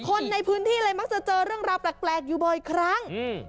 คนในพื้นที่เลยมักจะเจอเรื่องราวแปลกแปลกอยู่บ่อยครั้งอืม